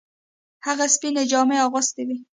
هغه سپینې جامې اغوستې وې.